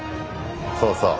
そうそう。